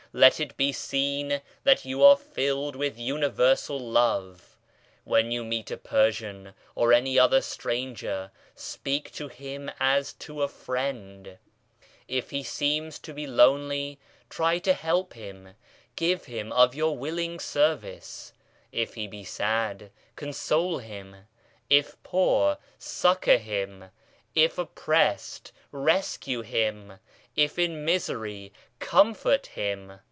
Let it be seen that you are filled with Universal Love. When you meet a Persian or any other stranger, speak to him as to a friend ; if he seems to be lonely try to help him, give him of your willing service ; if he be sad console him, if poor succour him, if oppressed rescue him, if in misery comfort him.